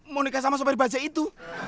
mau nikah sama sopir baja itu